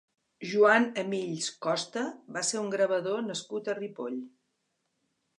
Joan Amills Costa va ser un gravador nascut a Ripoll.